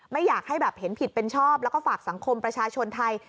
ไม่อยากให้แบบเห็นผิดเป็นชอบแล้วก็ฝากสังคมประชาชนไทย